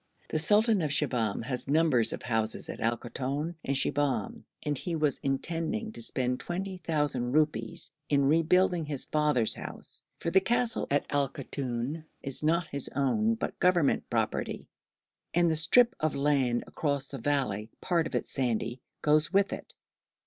The sultan of Shibahm has numbers of houses at Al Koton and Shibahm, and he was intending to spend 20,000 rupees in rebuilding his father's house, for the castle at Al Koton is not his own but Government property, and the strip of land across the valley, part of it sandy, goes with it.